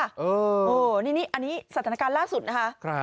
อันนี้สถานการณ์ล่าสุดนะคะ